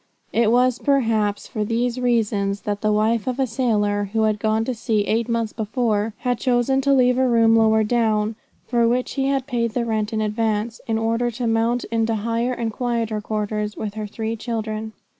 It was perhaps for these reasons that the wife of a sailor, who had gone to sea eight months before, had chosen to leave a room lower down, for which he had paid the rent in advance, in order to mount into higher and quieter quarters with her three children.